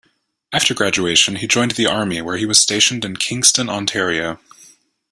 After graduation, he joined the army where he was stationed in Kingston, Ontario.